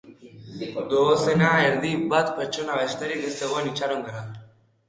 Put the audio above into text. Dozena erdi bat pertsona besterik ez zegoen itxarongelan.